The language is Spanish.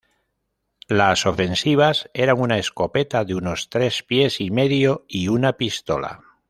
Las ofensivas eran una escopeta de unos tres pies y medio y una pistola.